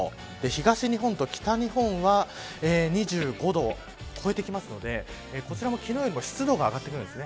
東日本と北日本は２５度を超えてくるのでこちらも昨日よりも湿度が上がってくるんです。